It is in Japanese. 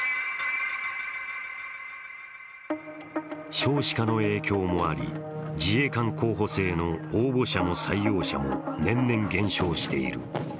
少子化の影響もあり自衛官候補生の応募者も採用者も、年々減少している。